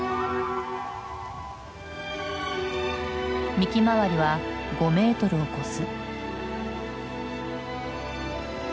幹周りは５メートルを超す。